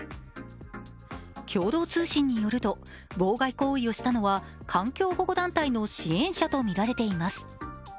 共同通信によると妨害行為をしたのは環境保護団体の支援者とみられています。